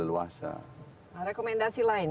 luas rekomendasi lain